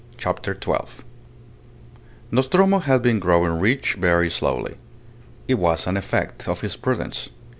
CHAPTER TWELVE Nostromo had been growing rich very slowly. It was an effect of his prudence.